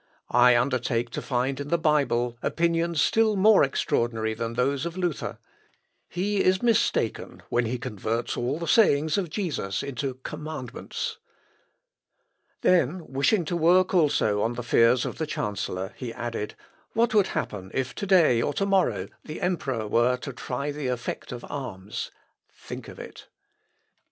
I undertake to find in the Bible opinions still more extraordinary than those of Luther. He is mistaken when he converts all the sayings of Jesus into commandments." Then, wishing to work also on the fears of the chancellor, he added, "What would happen if to day or to morrow the Emperor were to try the effect of arms?... Think of it."